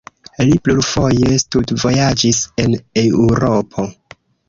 Li plurfoje studvojaĝis en Eŭropo.